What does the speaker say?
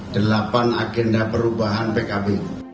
delapan agenda perubahan pkb